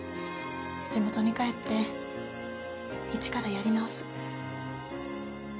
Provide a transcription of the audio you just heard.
地元に帰って一からやり直す。